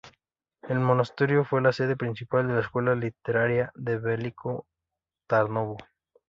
El monasterio fue la sede principal de la Escuela literaria de Veliko Tarnovo.